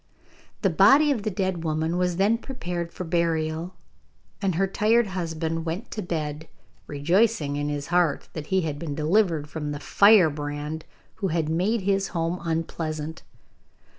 The body of the dead woman was then prepared for burial, and her tired husband went to bed, rejoicing in his heart that he had been delivered from the firebrand who had made his home unpleasant.